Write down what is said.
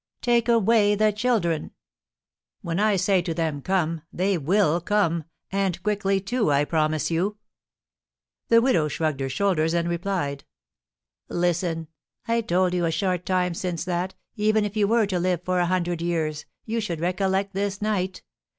"Take away the children?" "When I say to them 'Come!' they will come; and quickly too, I promise you." The widow shrugged her shoulders, and replied: "Listen! I told you a short time since that, even if you were to live for a hundred years, you should recollect this night.